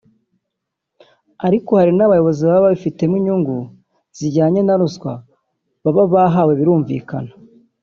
ariko hari n’abayobozi babifitemo inyungu zijyanye na ruswa baba bahawe birumbikana